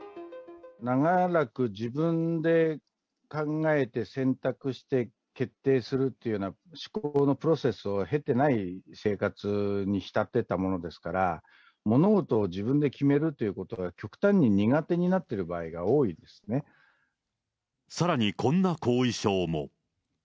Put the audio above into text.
長らく自分で考えて選択して、決定するっていうような、思考のプロセスを経てない生活に浸ってたものですから、物事を自分で決めるということが極端に苦手になってる場合が多いさらにこんな後遺症も。